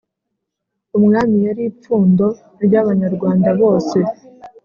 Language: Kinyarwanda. Umwami yari ipfundo ry'Abanyarwanda bose.